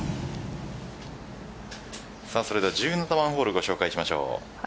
それでは１７番ホールご紹介しましょう。